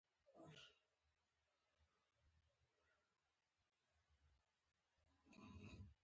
له همدې امله د واده قانون شل کلنۍ ته راټیټ شو